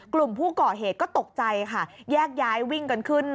กลุ่มผู้ก่อเหตุก็ตกใจค่ะแยกย้ายวิ่งกันขึ้น